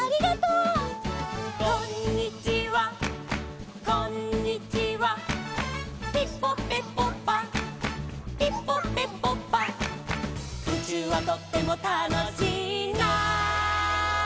「うちゅうはとってもたのしいな」